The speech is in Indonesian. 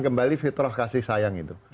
kembali fitrah kasih sayang itu